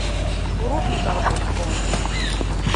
Ṛuḥent ɣer Boston.